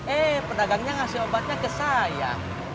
eh pedagangnya ngasih obatnya ke saya